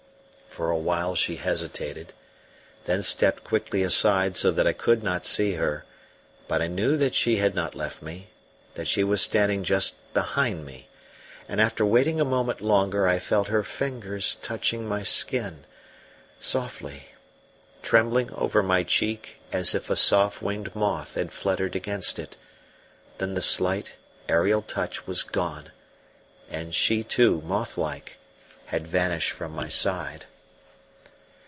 For a while she hesitated, then stepped quickly aside so that I could not see her; but I knew that she had not left me, that she was standing just behind me. And after waiting a moment longer I felt her fingers touching my skin, softly, trembling over my cheek as if a soft winged moth had fluttered against it; then the slight aerial touch was gone, and she, too, moth like, had vanished from my side.